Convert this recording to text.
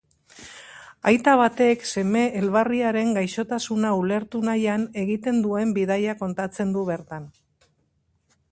Aita batek seme elbarriaren gaixotasuna ulertu nahian egiten duen bidaia kontatzen du bertan.